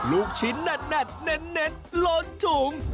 ลูกชิ้นนั่นเน่นโหลดถุง